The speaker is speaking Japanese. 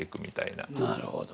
なるほど。